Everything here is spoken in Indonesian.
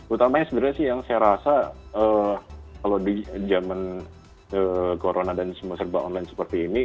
utamanya sebenarnya sih yang saya rasa kalau di zaman corona dan semua serba online seperti ini